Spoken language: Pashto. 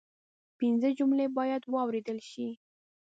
پنځه جملې باید واوریدل شي